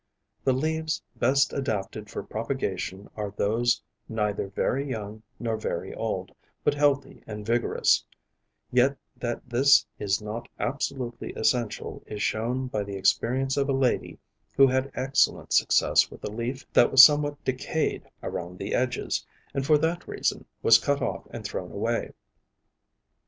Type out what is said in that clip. The leaves best adapted for propagation are those neither very young nor very old, but healthy and vigorous; yet that this is not absolutely essential is shown by the experience of a lady who had excellent success with a leaf that was some what decayed around the edges, and for that reason was cut off and thrown away.